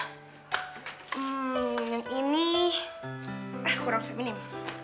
hmm yang ini kurang feminim